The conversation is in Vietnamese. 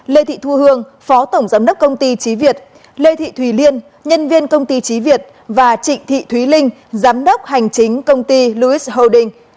lê thị thu hương phó tổng giám đốc công ty trí việt lê thị thùy liên nhân viên công ty trí việt và trịnh thị thúy linh giám đốc hành chính công ty louice holding